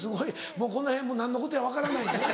もうこの辺何のことや分からないね。